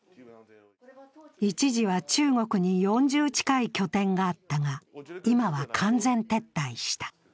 一時は中国に４０近い拠点があったが今は完全撤退した。